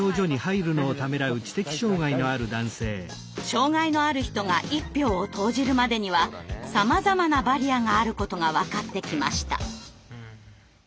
障害のある人が一票を投じるまでにはさまざまなバリアがあることが分かってきました。